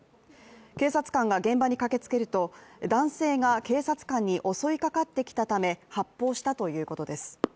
警察官が現場に駆けつけると男性が警察官に襲いかかってきたため発砲したということです。